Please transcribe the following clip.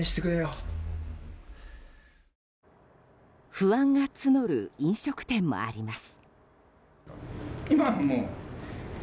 不安が募る飲食店もあります。